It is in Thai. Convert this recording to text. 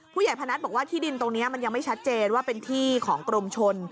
ผู้ใหญ่พนัทบอกว่าที่ดินตรงนี้มันยังไม่ชัดเจนว่าเป็นที่ของกรมชน